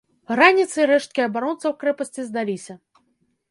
Раніцай рэшткі абаронцаў крэпасці здаліся.